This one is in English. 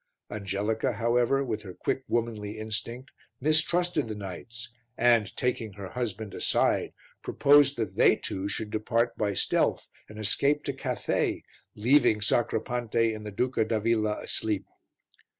Angelica, however, with her quick, womanly instinct, mistrusted the knights and, taking her husband aside, proposed that they two should depart by stealth and escape to Cathay, leaving Sacripante and the Duca d'Avilla asleep.